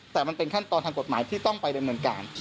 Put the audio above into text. แต่มันเป็นขั้นตอนทางกฎหมายที่ต้องไปดำเนินการ